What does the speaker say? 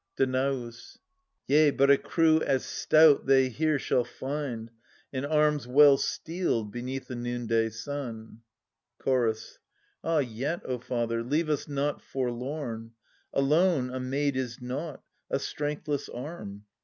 Danaus. Yea but a crew as stout they here shall find, And arms well steeled beneath a noon day sun. Chorus. Ah yet, O father, leave us not forlorn ! Alone, a maid is nought, a strengthless arm.